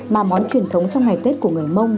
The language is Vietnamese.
mà món truyền thống trong ngày tết của người mông